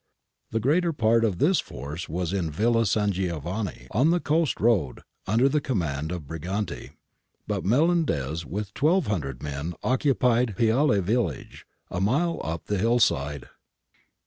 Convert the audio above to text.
^ The greater part of this force was in Villa San Giovanni on the coast road, under the command of Briganti ; but Melendez with 1200 men occupied Piale village, a mile up the hill side.